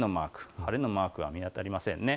晴れのマークが見当たりませんね。